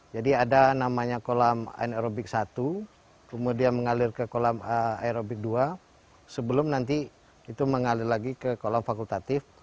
jadi ada namanya kolam aerobik satu kemudian mengalir ke kolam aerobik dua sebelum nanti itu mengalir lagi ke kolam fakultatif